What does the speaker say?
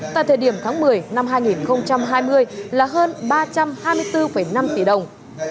tại thời điểm tháng một mươi năm hai nghìn hai mươi là hơn ba trăm hai mươi bốn năm tỷ đồng